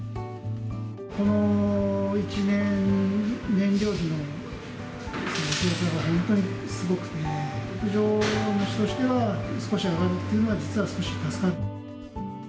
この１年、燃料費の増加が本当にすごくて、浴場主としては、少し上がるというのは、実は少し助かる。